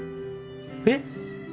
えっ？